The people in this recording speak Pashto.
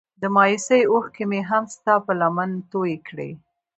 د مايوسۍ اوښکې مې هم ستا په لمن توی کړې.